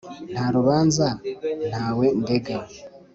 nta rubanza ntawe ndega,